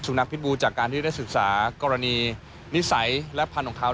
สุภูนักพิตบูรณ์จากการที่ได้ศึกษากรณีนิสัยและพรรณของเขา